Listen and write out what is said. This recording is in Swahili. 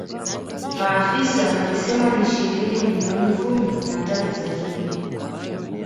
Maafisa walisema ni shilingi bilioni kumi na tatu za Kenya